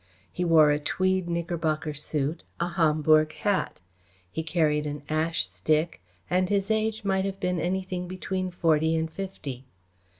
He wore a tweed knickerbocker suit, a Homburg hat; he carried an ash stick, and his age might have been anything between forty and fifty.